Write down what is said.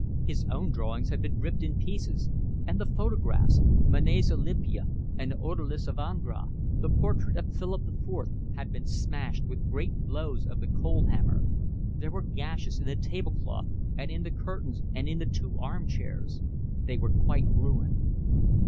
His own drawings had been ripped in pieces; and the photographs, Manet's Olympia and the Odalisque of Ingres, the portrait of Philip IV, had been smashed with great blows of the coal hammer. There were gashes in the table cloth and in the curtains and in the two arm chairs. They were quite ruined.